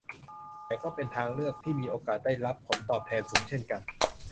แต่ก็เป็นทางเลือกที่มีโอกาสได้รับผลตอบแทนสูงเช่นกัน